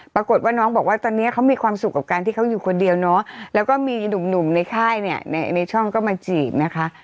ปรากฏว่าน้องบอกว่าตอนนี้เขามีความสุขกับการที่เขาอยู่คนเดียวเนาะแล้วก็มีหนุ่มในค่ายเนี่ยในช่องก็มาจีบนะคะ